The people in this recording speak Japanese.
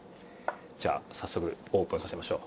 じゃあさっそくオープンさせましょう。